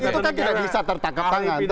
itu kan tidak bisa tertangkap tangan